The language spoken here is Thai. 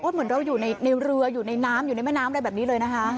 เหมือนเราอยู่ในเรืออยู่ในน้ำอยู่ในแม่น้ำอะไรแบบนี้เลยนะคะ